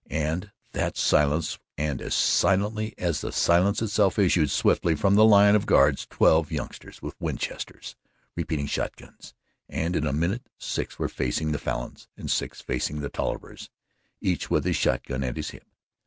In that silence and as silently as the silence itself issued swiftly from the line of guards twelve youngsters with Winchesters, repeating shot guns, and in a minute six were facing the Falins and six facing the Tollivers, each with his shot gun at his hip.